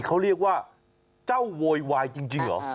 เขาเรียกว่าเจ้าโวยวายจริงเหรอ